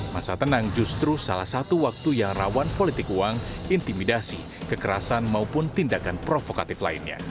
masa tenang justru salah satu waktu yang rawan politik uang intimidasi kekerasan maupun tindakan provokatif lainnya